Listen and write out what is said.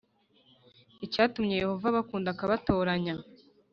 Icyatumye Yehova abakunda akabatoranya